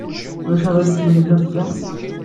Ulac aɣilif ma tullemt-iyi?